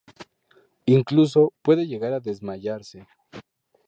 Incluso, puede llegar a desmayarse.